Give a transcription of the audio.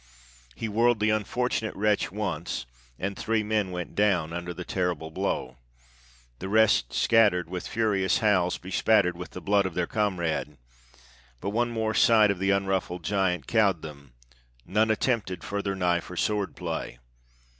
He whirled the unfortunate wretch once, and three men went down under the terrible blow; the rest scattered with furious howls, bespattered with the blood of their comrade; but one more sight of the unruffled giant cowed them; none attempted further knife or sword play.